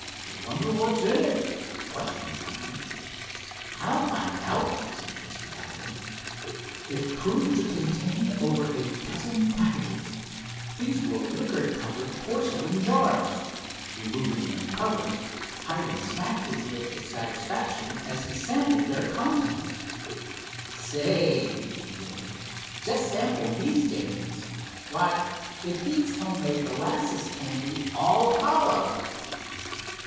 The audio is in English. "Wonder what's in it?" questioned Elmer. "I'll find out," suggested Hiram. It proved to contain over a dozen packages. These were wicker covered porcelain jars. Removing their covers, Hiram smacked his lips with satisfaction as he sampled their contents. "Say," he gloated, "just sample these dainties! Why, it beats homemade molasses candy all hollow!"